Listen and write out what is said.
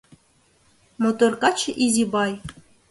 Мотор каче Изибай.